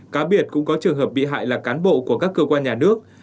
cá biệt cũng có trường hợp bị hại là cán bộ của các cơ quan nhà nước